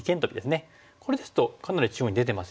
これですとかなり中央に出てますよね。